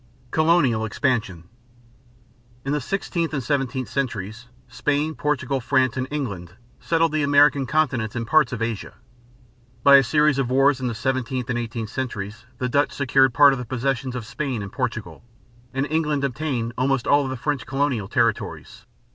COLONIAL EXPANSION. In the sixteenth and seventeenth centuries, Spain, Portugal, France, and England settled the American continents and parts of Asia. By a series of wars in the seventeenth and eighteenth centuries the Dutch secured part of the possessions of Spain and Portugal; and England obtained almost all of the French colonial territories.